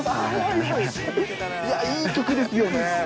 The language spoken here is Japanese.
いや、いい曲ですよね。